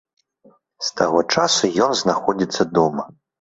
З таго часу ён знаходзіцца дома.